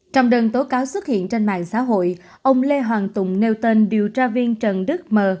trong đơn tố cáo xuất hiện trên mạng xã hội ông lê hoàng tùng nêu tên điều tra viên trần đức mờ